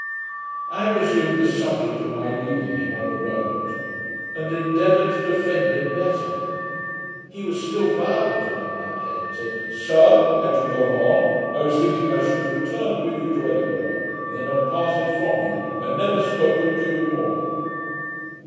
I resumed the subject of my leaving him on the road, and endeavoured to defend it better. He was still violent upon that head, and said, 'Sir, had you gone on, I was thinking that I should have returned with you to Edinburgh, and then have parted from you, and never spoken to you more.'